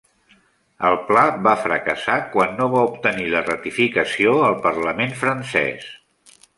El pla va fracassar quan no va obtenir la ratificació al Parlament Francès.